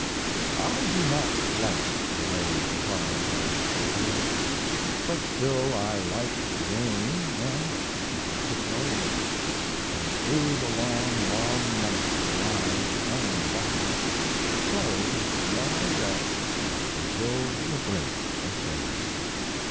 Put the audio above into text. I do not like the way the cards are shuffled, But still I like the game and want to play; And through the long, long night will I, unruffled, Play what I get, until the break of day.